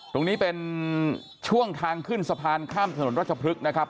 ตรงนี้เป็นช่วงทางขึ้นสะพานข้ามถนนรัชพฤกษ์นะครับ